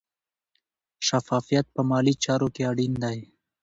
شفافیت په مالي چارو کې اړین دی.